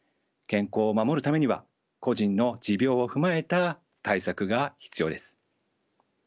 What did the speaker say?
健康を守るためには個人の持病を踏まえた対策が必要です。